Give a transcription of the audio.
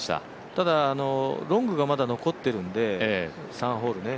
ただ、ロングがまだ残っているんで、３ホールね。